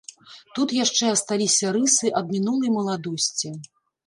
Тут яшчэ асталіся рысы ад мінулай маладосці.